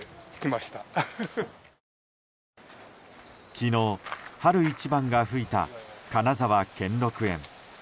昨日、春一番が吹いた金沢・兼六園。